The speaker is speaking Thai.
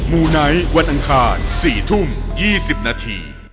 มูไนท์วันอังคาร๔ทุ่ม๒๐นาที